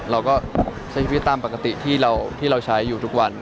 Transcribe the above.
เราก็ใช้ชีวิตตามปกติที่เราใช้อยู่ทุกวัน